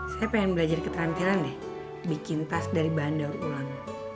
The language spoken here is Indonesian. saya pengen belajar keterampilan deh bikin tas dari bahan daur ulang